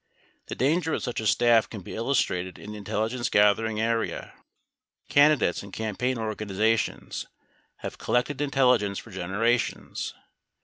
The dan ger with such a staff can be illustrated in the intelligence gathering area. Candidates and campaign organizations have collected intelli ence for generations.